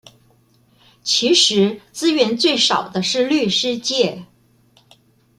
其實資源最少的是律師界